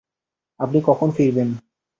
আপনি কখন ফিরবেন?